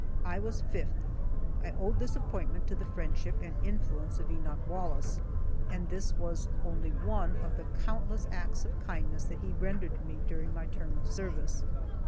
I was fifth. I owed this appointment to the friendship and influence of Enoch Wallace, and this was only one of the countless acts of kindness that he rendered me during my term of service.